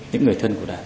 những người thân của đạt